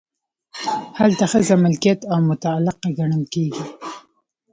هلته ښځه ملکیت او متعلقه ګڼل کیږي.